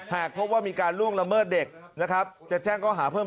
หากพบว่ามีการล่วงละเมิดเด็กนะครับจะแจ้งข้อหาเพิ่ม